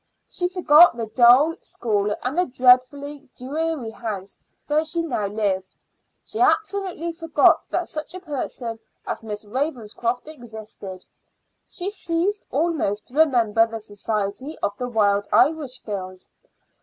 She forgot the dull school and the dreadfully dreary house where she now lived; she absolutely forgot that such a person as Miss Ravenscroft existed; she ceased almost to remember the Society of the Wild Irish Girls.